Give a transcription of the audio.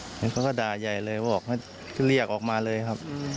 เขาก็ด่าใหญ่เลยบอกให้เรียกออกมาเลยครับ